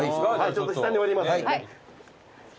ちょっと下に下りますのでね。